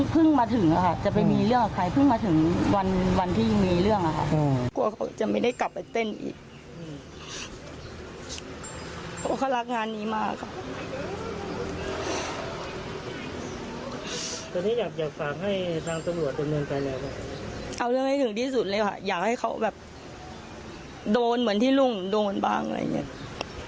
ผู้ตำรวจบัดเห็นถึงดีสุดเลยค่ะอยากให้เขาแบบโดนเหมือนที่ลุงโดนตัวบ้างอะไรอย่างนี้